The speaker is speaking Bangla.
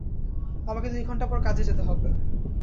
আমাকে দুই ঘণ্টা পর কাজে যেতে হবে।